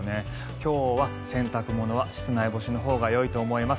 今日は洗濯物は室内干しのほうがよいと思います。